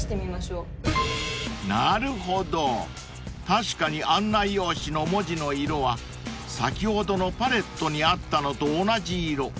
［なるほど確かに案内用紙の文字の色は先ほどのパレットにあったのと同じ色］